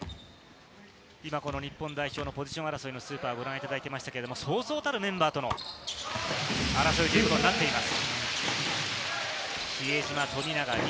日本代表のポジション争いのスーパーをご覧いただきましたが、そうそうたるメンバー争いになっています。